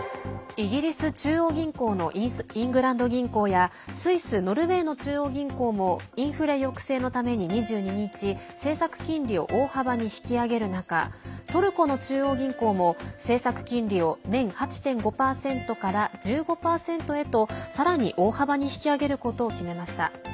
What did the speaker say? イギリス中央銀行のイングランド銀行やスイス、ノルウェーの中央銀行もインフレ抑制のために、２２日政策金利を大幅に引き上げる中トルコの中央銀行も、政策金利を年８．５％から１５％へとさらに大幅に引き上げることを決めました。